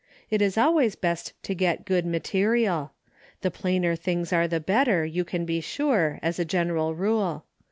It is always best to get good material. The plainer things are the better, you can be sure, as a general rule.